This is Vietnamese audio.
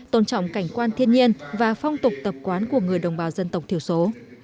tôn trọng cảnh quan thiên nhiên và phong tục tập quán của người đồng bào dân tộc thiểu số